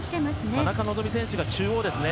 田中希実選手が中央ですね。